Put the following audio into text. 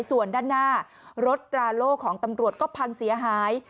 ส่วนด้านหน้ารถตราโล่ของตำรวจก็พังเสียหาย